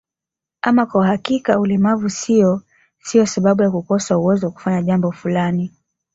Ama kwa hakika ulemavu sio sio sababu ya kukosa uwezo wa kufanya jambo fulani